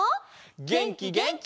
げんきげんき！